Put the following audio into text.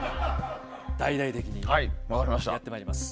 大々的にやってまいります。